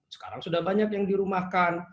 sekarang sudah banyak yang dirumahkan